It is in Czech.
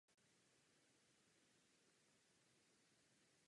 Pojmenován je podle blízkého města Vincennes.